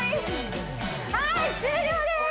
はい終了です